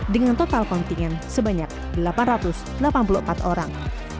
dengan total kontingen sebanyak delapan ratus delapan puluh empat orang